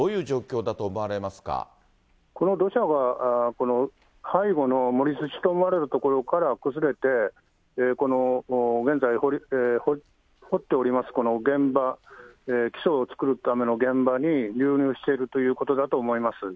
これ今、この土砂は、この背後の盛り土と思われるところから崩れて、この現在、掘っております、この現場、基礎を作るための現場に流入しているということだと思います。